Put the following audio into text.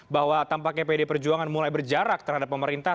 bahwa tampaknya pd perjuangan mulai berjarak terhadap pemerintah